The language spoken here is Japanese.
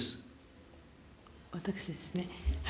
私ですね。